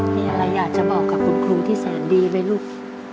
เฮียอะไรอยากจะบอกกับคนที่แสนดีไหมลูก